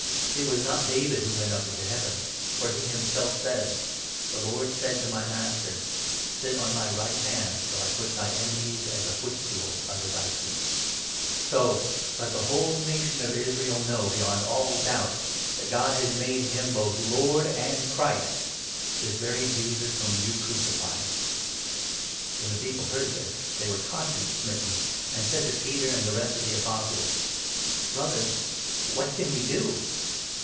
It was not David who 34 went up into Heaven ; for he himself says —' The Lord said to my master : "Sit on my right hand, Till I put thy enemies as a footstool under thy feet." ' 35 W » Joel a. *) 3*. »* Ps. 16. 8 n. *> Ps. i3a. n. »*» Ps. no. i. THE ACTS, 2 3. 217 So let the whole nation of Israel know beyond all doubt, that 36 God has made him both Lord and Christ — this very Jesus whom you crucified." When the people heard this, they were conscience smitten, 37 and said to Peter and the rest of the Apostles :" Brothers, what can we do